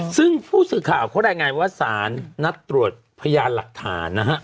ซึ่งผู้สื่อข่าวเขารายงานว่าสารนัดตรวจพยานหลักฐานนะฮะ